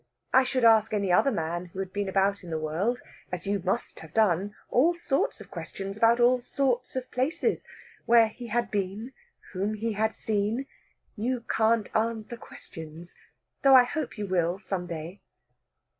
I should ask any other man who had been about the world, as you must have done, all sorts of questions about all sorts of places where he had been, whom he had seen. You can't answer questions, though I hope you will some day...."